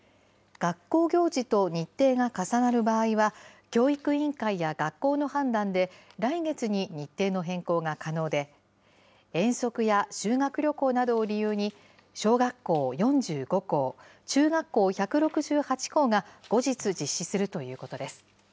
学校行事と日程が重なる場合は、教育委員会や学校の判断で、来月に日程の変更が可能で、遠足や修学旅行などを理由に小学校４５校、中学校１６８校が後日実施するということです。